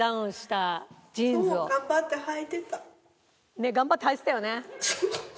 ねえ頑張ってはいてたよね。